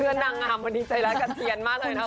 เพื่อนนางงามใจรักกับเทียนมากเลยนะคะ